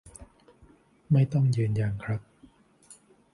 ไม่ต้องยืนยันครับ